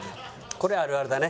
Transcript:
これあるあるだね。